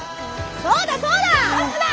そうだそうだ！